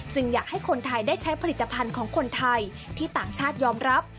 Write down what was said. อยากให้คนไทยได้ใช้ผลิตภัณฑ์ของคนไทยที่ต่างชาติยอมรับ